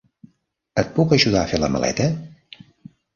Et puc ajudar a fer la maleta?